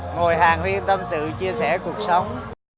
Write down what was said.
ngồi hàng huyên tâm sự chia sẻ cuộc sống